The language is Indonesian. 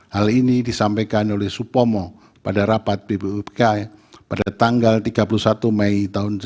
hal ini disampaikan oleh supomo pada rapat bpupk pada tanggal tiga puluh satu mei tahun seribu sembilan ratus sembilan puluh